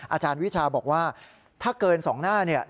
อาจารย์วิชาบอกว่าถ้าเกิน๒หน้าเนี่ย